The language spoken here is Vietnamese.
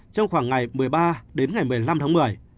trong khoảng ngày một mươi ba một mươi năm tháng một mươi